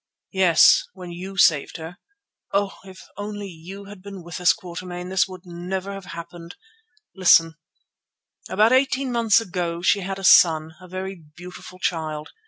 "Yes, when you saved her. Oh! if only you had been with us, Quatermain, this would never have happened. Listen: About eighteen months ago she had a son, a very beautiful child.